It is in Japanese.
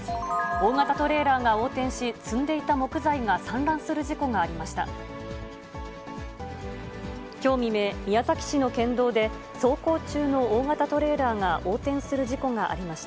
大型トレーラーが横転し、積んでいた木材が散乱する事故がありました。